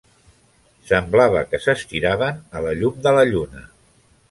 Semblava que s'estiraven a la llum de la lluna.